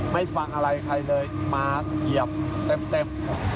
ไม่ฟังอะไรใครเลยมาเยี่ยมเต็มเต็ม